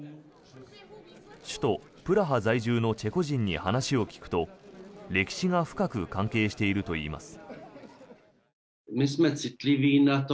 首都プラハ在住のチェコ人に話を聞くと歴史が深く関係しているといいます。